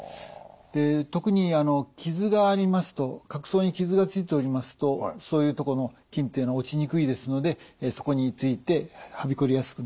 特にあの角層に傷がついておりますとそういうとこの菌っていうのは落ちにくいですのでそこについてはびこりやすくなる。